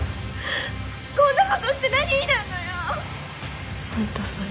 こんなことして何になんのよ？あんたさえ。